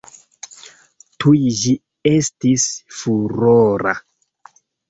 Tuj ĝi estis furora.